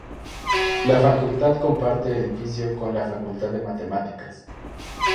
La facultad comparte edificio con la Facultad de Matemáticas.